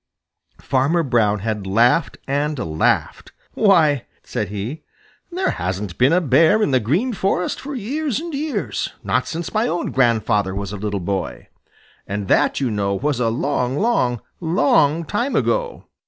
Farmer Brown had laughed and laughed. "Why," said he, "there hasn't been a Bear in the Green Forest for years and years and years, not since my own grandfather was a little boy, and that, you know, was a long, long, long time ago.